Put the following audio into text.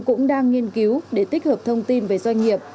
cũng đang nghiên cứu để tích hợp thông tin về doanh nghiệp